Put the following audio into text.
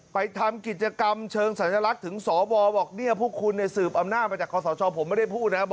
ไปทำกิจกรรมเชิงสัญลักษณ์ถึงสววรเนี่ยพุคคุณสืบอำนาจจากคศพไม่ได้พูดนะครับ